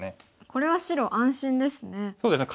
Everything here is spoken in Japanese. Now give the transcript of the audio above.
これは白安心ですね。